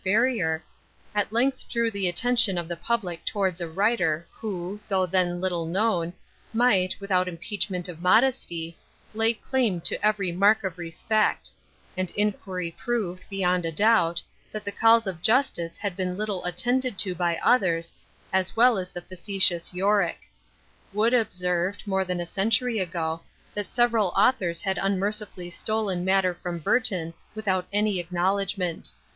FERRIAR, at length drew the attention of the public towards a writer, who, though then little known, might, without impeachment of modesty, lay claim to every mark of respect; and inquiry proved, beyond a doubt, that the calls of justice had been little attended to by others, as well as the facetious YORICK. WOOD observed, more than a century ago, that several authors had unmercifully stolen matter from BURTON without any acknowledgment.